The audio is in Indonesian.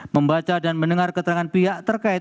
membaca dan mendengar keterangan pihak terkait